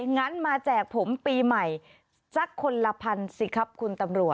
งั้นมาแจกผมปีใหม่สักคนละพันสิครับคุณตำรวจ